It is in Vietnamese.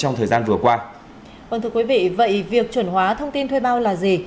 vâng thưa quý vị vậy việc chuẩn hóa thông tin thuê bao là gì